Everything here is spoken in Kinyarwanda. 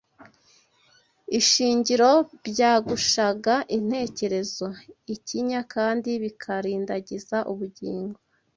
ishingiro byagushaga intekerezo ikinya kandi bikarindagiza ubugingo